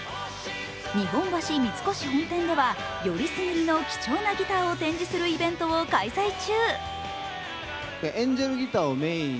日本橋三越本店では、よりすぐりの貴重なギターを展示するイベントを開催中。